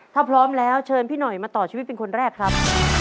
ถ้าพร้อมแล้วเชิญพี่หน่อยมาต่อชีวิตเป็นคนแรกครับ